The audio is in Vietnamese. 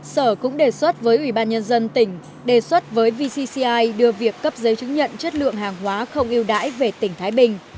sở cũng đề xuất với ubnd tỉnh đề xuất với vcci đưa việc cấp giấy chứng nhận chất lượng hàng hóa không ưu đãi về tỉnh thái bình